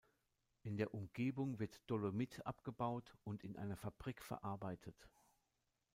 In der Umgebung wird Dolomit abgebaut und in einer Fabrik verarbeitet.